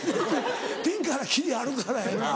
ピンからキリあるからやな。